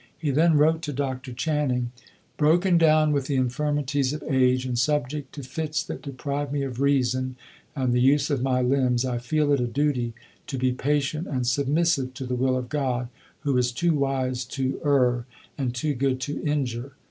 He then wrote to Dr. Channing: "Broken down with the infirmities of age, and subject to fits that deprive me of reason and the use of my limbs, I feel it a duty to be patient and submissive to the will of God, who is too wise to err, and too good to injure.